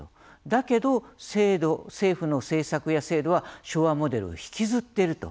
だけど、政府の政策や制度は昭和モデルを引きずっていると。